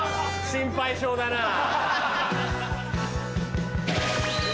心配性だなぁ。